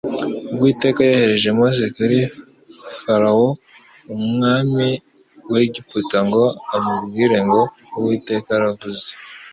Uwiteka yohereje Mose kuri Farawo umwami w'Egiputa ngo amubwire ngo: "Uwiteka aravuze